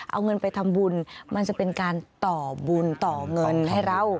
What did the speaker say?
เอาเงินไปทำบุญมันจะเป็นการต่อบุญต่อเงินให้เรา